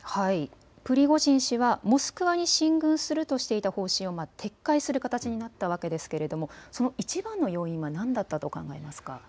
プリゴジン氏はモスクワに進軍するとしていた方針を撤回する形になったわけですけれどもそのいちばんの要因は何だったとお考えですか。